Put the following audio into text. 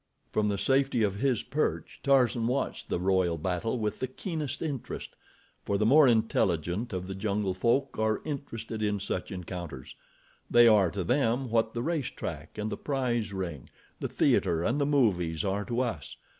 From the safety of his perch Tarzan watched the royal battle with the keenest interest, for the more intelligent of the jungle folk are interested in such encounters. They are to them what the racetrack and the prize ring, the theater and the movies are to us.